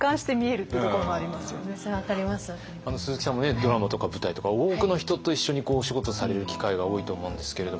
ドラマとか舞台とか多くの人と一緒にお仕事される機会が多いと思うんですけれど。